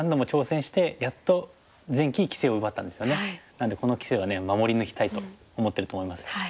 なのでこの棋聖は守り抜きたいと思ってると思います。